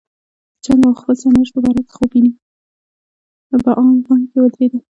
په عامه غونډه کې ودرېد.